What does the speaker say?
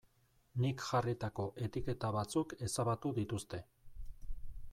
Nik jarritako etiketa batzuk ezabatu dituzte.